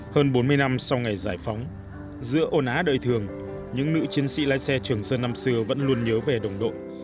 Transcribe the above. hơn bốn mươi năm sau ngày giải phóng giữa ồn á đời thường những nữ chiến sĩ lái xe trường sơn năm xưa vẫn luôn nhớ về đồng đội